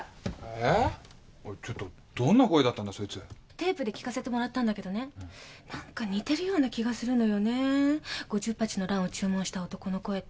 テープで聞かせてもらったんだけどねなんか似てるような気がするの５０鉢のランを注文した男の声と。